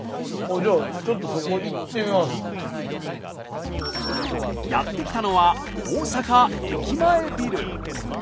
じゃあちょっとやって来たのは大阪駅前ビル。